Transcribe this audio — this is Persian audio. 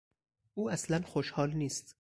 او اصلا خوشحال نیست.